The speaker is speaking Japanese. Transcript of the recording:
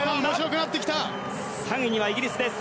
３位にはイギリスです。